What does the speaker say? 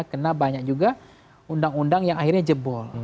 karena banyak juga undang undang yang akhirnya jebol